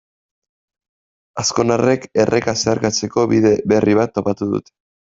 Azkonarrek erreka zeharkatzeko bide berri bat topatu dute.